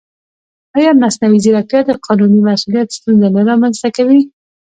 ایا مصنوعي ځیرکتیا د قانوني مسؤلیت ستونزه نه رامنځته کوي؟